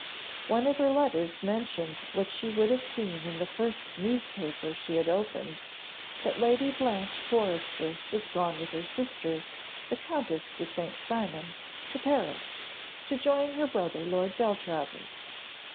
One of her letters mentioned what she would have seen in the first newspaper she had opened, that Lady Blanche Forrester was gone with her sister, the Comtesse de St. Cymon, to Paris, to join her brother Lord Beltravers.